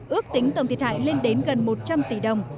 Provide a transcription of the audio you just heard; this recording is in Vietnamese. ước tính tổng thiệt hại lên đến gần một trăm linh tỷ đồng